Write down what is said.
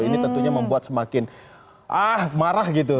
ini tentunya membuat semakin ah marah gitu